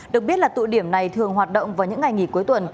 được biết là tụ điểm này thường hoạt động vào những ngày nghỉ cuối tuần